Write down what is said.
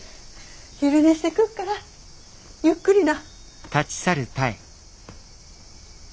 昼寝してくっからゆっくりな。